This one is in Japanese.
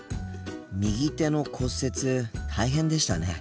右手の骨折大変でしたね。